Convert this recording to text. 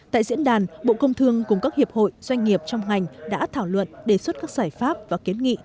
tại diễn đàn bộ công thương cùng các hiệp hội doanh nghiệp trong ngành đã thảo luận đề xuất các giải pháp và kiến nghị